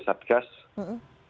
kami di dalam tim